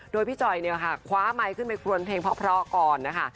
โดยพี่จอยเนี่ยค่ะคว้าไมค์ขึ้นไปครวนเพลงเพราะก่อนนะคะ